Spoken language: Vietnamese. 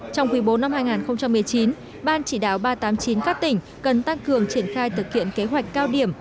trong quý bố năm hai nghìn một mươi chín ban chỉ đạo ba trăm tám mươi chín các tỉnh cần tăng cường triển khai thực hiện kế hoạch cao điểm